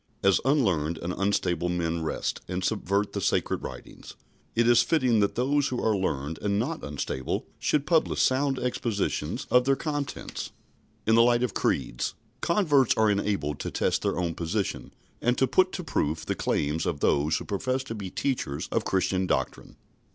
As unlearned and unstable men wrest and subvert the Sacred Writings, it is fitting that those who are learned and not unstable should publish sound expositions of their contents. In the light of creeds, converts are enabled to test their own position, and to put to proof the claims of those who profess to be teachers of Christian doctrine.